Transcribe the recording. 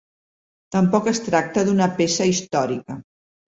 Tampoc es tracta d'una peça històrica.